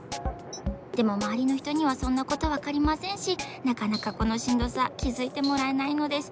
でもまわりのひとにはそんなことわかりませんしなかなかこのしんどさきづいてもらえないのです。